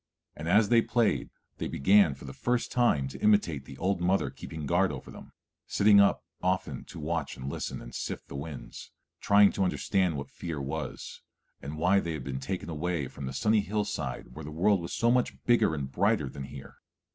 And as they played they began for the first time to imitate the old mother keeping guard over them, sitting up often to watch and listen and sift the winds, trying to understand what fear was, and why they had been taken away from the sunny hillside where the world was so much bigger and brighter than here.